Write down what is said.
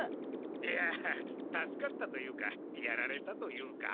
いや助かったというかやられたというか。